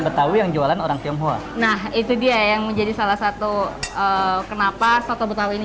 betawi yang jualan orang tionghoa nah itu dia yang menjadi salah satu kenapa soto betawi ini